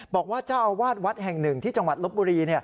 บอกว่าเจ้าอาวาสวัดแห่งหนึ่งที่จังหวัดลบบุรี